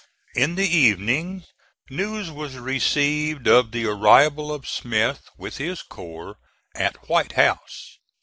In the evening news was received of the arrival of Smith with his corps at White House.